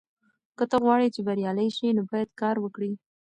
که ته غواړې چې بریالی شې نو باید کار وکړې.